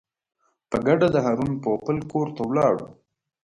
په ګډه د هارون پوپل کور ته ولاړو.